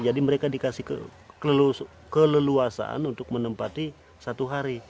jadi mereka dikasih keleluasaan untuk menempati satu hari